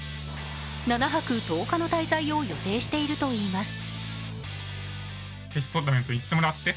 ７泊１０日の滞在を予定しているということですす。